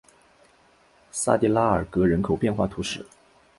萨蒂拉尔格人口变化图示